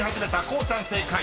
こうちゃん正解］